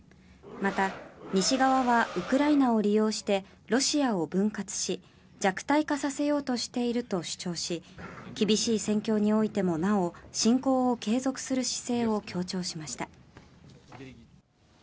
また、西側はウクライナを利用してロシアを分割し弱体化させようとしていると主張し厳しい戦況においてもなお侵攻を継続する姿勢を強調しました。